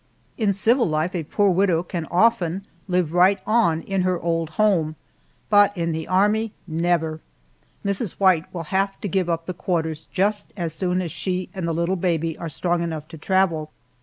In civil life a poor widow can often live right on in her old home, but in the Army, never! Mrs. White will have to give up the quarters just as soon as she and the little baby are strong enough to travel.